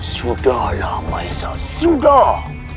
sudahlah maisa sudah